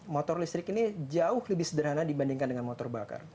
motor listrik ini jauh lebih sederhana dibandingkan dengan motor bakar